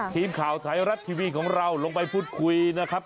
ทีมข่าวไทยรัฐทีวีของเราลงไปพูดคุยนะครับ